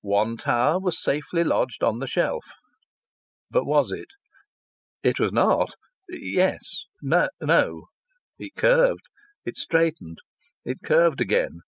One tower was safely lodged on the shelf. But was it? It was not! Yes? No! It curved; it straightened; it curved again.